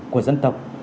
của dân tộc